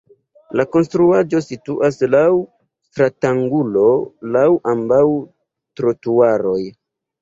La konstruaĵo situas laŭ stratangulo laŭ ambaŭ trotuaroj.